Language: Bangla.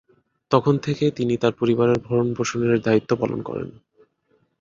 তখন থেকে তিনি তার পরিবারে ভরণপোষণের দায়িত্ব পালন করেন।